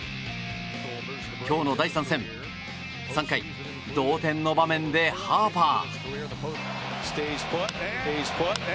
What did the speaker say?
今日の第３戦３回、同点の場面でハーパー。